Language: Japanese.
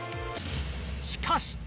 しかし。